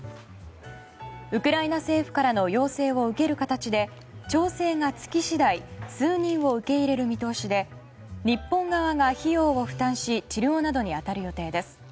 ウクライナ政府からの要請を受ける形で調整がつき次第数人を受け入れる見通しで日本側が費用を負担し治療などに当たる予定です。